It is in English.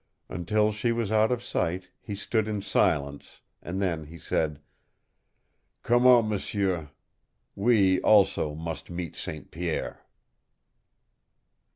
Until she was out of sight he stood in silence and then he said: "Come, m'sieu. We, also, must meet St. Pierre!"